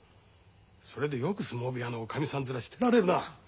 それでよく相撲部屋のおかみさん面してられるな。